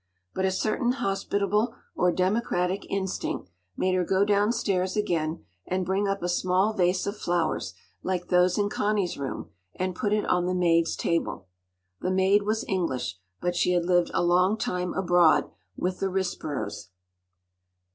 But a certain hospitable or democratic instinct made her go downstairs again and bring up a small vase of flowers like those in Connie’s room, and put it on the maid’s table. The maid was English, but she had lived a long time abroad with the Risboroughs.